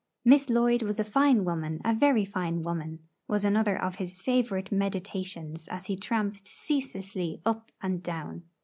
'Miss Lloyd was a fine woman, a very fine woman,' was another of his favourite meditations as he tramped ceaselessly up and down.